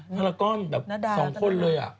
ทารกรแบบสองคนเลย